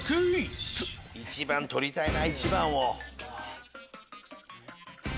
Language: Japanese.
１番取りたいな１番を。